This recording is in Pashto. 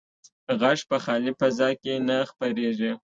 غږ په خالي فضا کې نه خپرېږي.